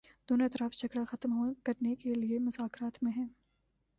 دونوں اطراف جھگڑا ختم کرنے کے لیے مذاکرات میں ہیں